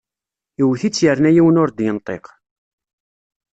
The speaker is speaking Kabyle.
Iwet-itt yerna yiwen ur d-yenṭiq!